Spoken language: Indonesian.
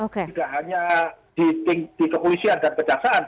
tidak hanya di kepolisian dan kejaksaan